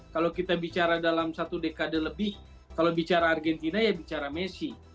kalau kita bicara dalam satu dekade lebih kalau bicara argentina ya bicara messi